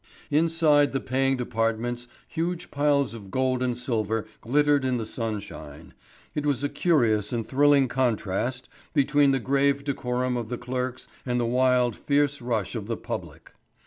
Inside the paying departments huge piles of gold and silver glittered in the sunshine. It was a curious and thrilling contrast between the grave decorum of the clerks and the wild, fierce rush of the public.